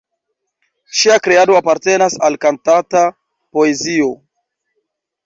Ŝia kreado apartenas al kantata poezio.